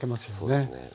そうですね。